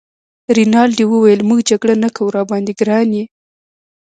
رینالډي وویل: موږ جګړه نه کوو، راباندي ګران يې.